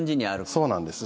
そうなんです。